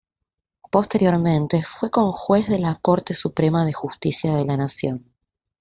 Posteriormente fue conjuez de la Corte Suprema de Justicia de la Nación.